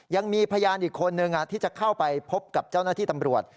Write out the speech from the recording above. ยังมีพยานอีกคนนึงที่จะเข้าไปพบกับเจ้าหน้าที่ตำรวจ